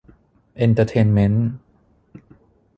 เอนเตอร์เทนเมนต์